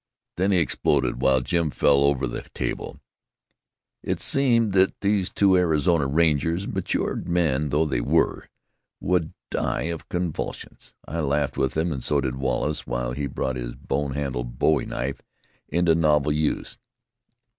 Then he exploded, while Jim fell over the table. It seemed that those two Arizona rangers, matured men though they were, would die of convulsions. I laughed with them, and so did Wallace, while he brought his bone handled bowie knife into novel use.